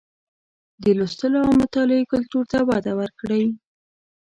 د لوستلو او مطالعې کلتور ته وده ورکړئ